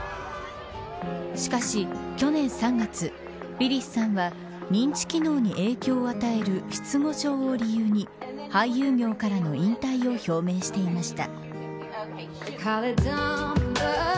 しかし、去年３月ウィリスさんは認知機能に影響を与える失語症を理由に俳優業からの引退を表明していました。